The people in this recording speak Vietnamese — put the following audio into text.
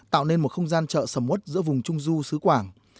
tạo nên một không gian chợ sầm út giữa vùng trung du sứ quảng